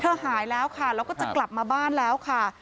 หายแล้วค่ะแล้วก็จะกลับมาบ้านแล้วค่ะ